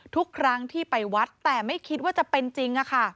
ทุกครั้งที่ไปวัดแต่ไม่คิดว่าจะเป็นจริง